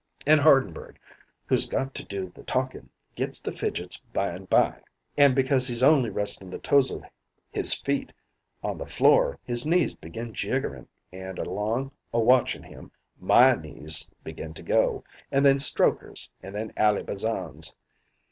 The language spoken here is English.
An' Hardenberg, who's got to do the talkin', gets the fidgets byne by; and because he's only restin' the toes o' his feet on the floor, his knees begin jiggerin'; an' along o' watchin' him, my knees begin to go, an' then Strokher's and then Ally Bazan's.